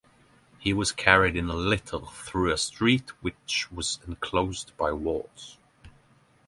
He was carried in a litter through a street which was enclosed by walls.